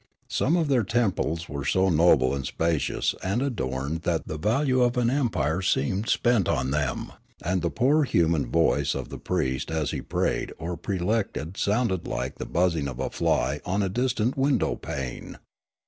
Some of their temples were so noble and spacious and adorned that the value of an empire seemed spent on them, and the poor human voice of the priest as he prayed or prelected sounded like the buzzing of a fly on a distant window pane.